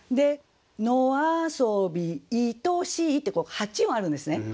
「野遊び愛しい」って８音あるんですね。